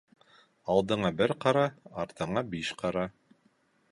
Алдыңа бер ҡара. артыңа биш ҡара.